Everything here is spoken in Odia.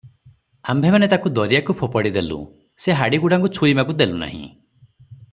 ଆମ୍ଭେମାନେ ତାକୁ ଦରିଆକୁ ଫୋପାଡ଼ିଦେଲୁଁ, ସେ ହାଡ଼ିଗୁଡ଼ାଙ୍କୁ ଛୁଇଁବାକୁ ଦେଲୁନାହିଁ ।